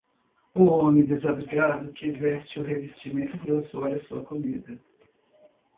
O homem desabrigado que veste o revestimento grosso olha sua comida.